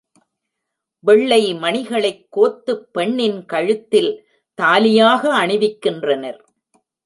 வெள்ளை மணிகளைக் கோத்துப் பெண்ணின் கழுத்தில், தாலியாக அணிவிக்கின்றனர்.